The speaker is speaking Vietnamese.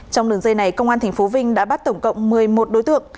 trong đường dây này công an tp vinh đã bắt tổng cộng một mươi một đối tượng